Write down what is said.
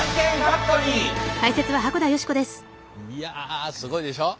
いやすごいでしょ。